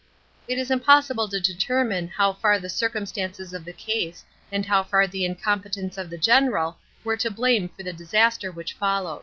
It is impossible to determine how far ihe circumstances of the case and how far the incompetence of the general were to blame for the disaster which followed.